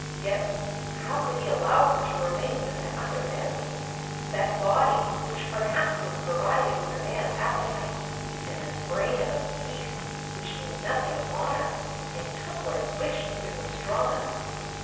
Yet.... How could he allow her to remain with that other Bentley that body which perhaps was provided with a man's appetites, and the brain of a beast which knew nothing of honor and took what it wished if it were strong enough?